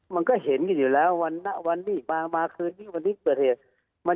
มันก็เห็นกันอยู่แล้ววันนี้มามาคืนนี้วันนี้เกิดเหตุ